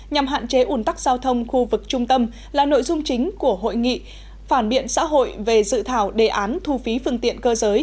nhằm hạn chế ủn tắc giao thông khu vực trung tâm là nội dung chính của hội nghị phản biện xã hội về dự thảo đề án thu phí phương tiện cơ giới